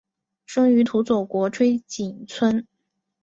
生于土佐国吹井村。